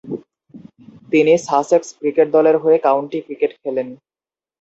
তিনি Sussex cricket দলের হয়ে কাউন্টি ক্রিকেট খেলেন।